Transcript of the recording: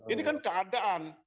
ini kan keadaan